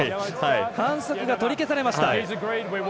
反則が取り消されました。